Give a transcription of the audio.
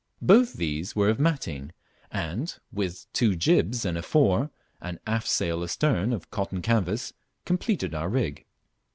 Both these were of matting, and, with two jibs and a fore and aft sail astern of cotton canvas, completed our rig.